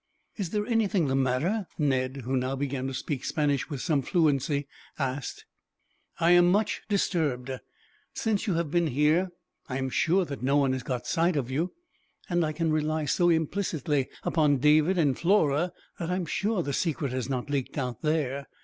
"Is there anything the matter?" Ned, who now began to speak Spanish with some fluency, asked. "I am much disturbed. Since you have been here, I am sure that no one has got a sight of you; and I can rely so implicitly upon David, and Flora, that I am sure the secret has not leaked out there.